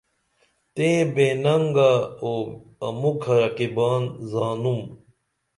تیں بے ننگہ او اموکھہ رقیبان زانُم